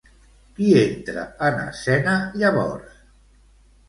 Qui entra en escena, llavors?